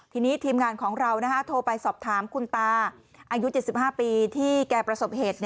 ทีนี้ทีมงานของเราโทรไปสอบถามคุณตาอายุ๗๕ปีที่แกประสบเหตุ